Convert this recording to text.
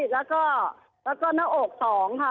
แล้วก็แล้วก็หน้าอกสองค่ะ